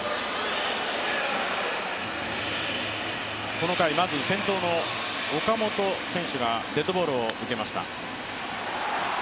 この回、まず先頭の岡本選手がデッドボールを受けました。